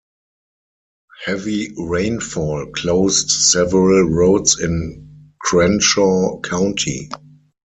Heavy rainfall closed several roads in Crenshaw County.